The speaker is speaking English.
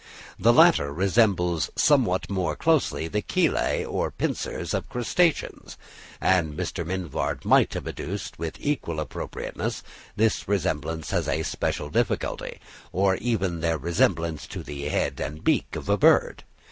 The latter resembles somewhat more closely the chelæ or pincers of Crustaceans; and Mr. Mivart might have adduced with equal appropriateness this resemblance as a special difficulty, or even their resemblance to the head and beak of a bird.